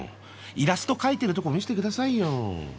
イラスト描いてるとこ見せて下さいよ。